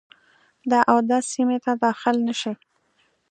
د اود سیمي ته داخل نه شي.